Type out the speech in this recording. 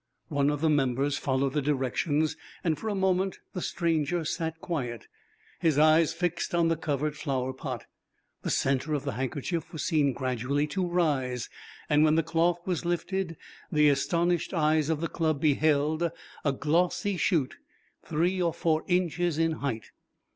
One of the members followed the directions, and for a moment the stranger sat quiet, his eyes fixed on the covered flower pot. The centre of the handkerchief was seen gradually to rise, and when the cloth was lifted, the astonished eyes of the Club beheld a glossy shoot, three or four inches in height.